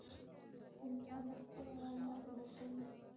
انسان د خپلو اعمالو مسؤول دی!